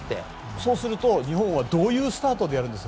そうすると日本はどういうスタートでやるんですか？